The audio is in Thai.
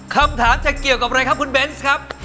คำถามจะเกี่ยวกับอะไรครับคุณเบนส์ครับ